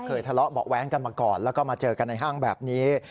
ทะเลาะเบาะแว้งกันมาก่อนแล้วก็มาเจอกันในห้างแบบนี้